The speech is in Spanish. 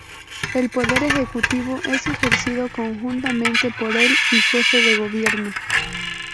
El poder ejecutivo es ejercido conjuntamente por el y jefe de gobierno.